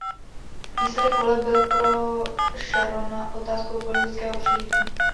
Výsledek voleb byl pro Šarona otázkou politického přežití.